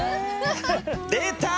出た！